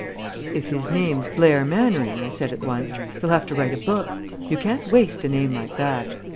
"If his name's Blair Mannering," I said at once, "he'll have to write a book. You can't waste a name like that.